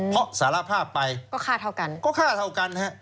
เพราะสารภาพไปก็ค่าเท่ากัน